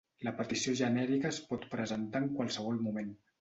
La petició genèrica es pot presentar en qualsevol moment.